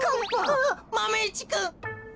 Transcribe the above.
あっマメ１くん。